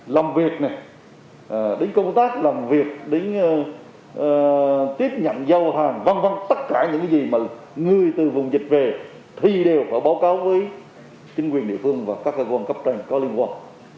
làm việc này đến công tác làm việc đến tiếp nhận giao hàng văn văn tất cả những gì mà người từ vùng dịch về thì đều phải báo cáo với chính quyền địa phương và các cơ quan cấp trành có liên quan